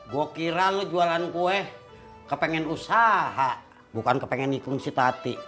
gue kira lo jualan kue kepengen usaha bukan kepengen nikung si tati